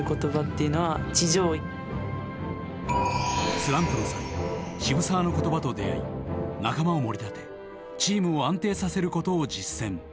スランプの際渋沢の言葉と出会い仲間をもり立てチームを安定させることを実践。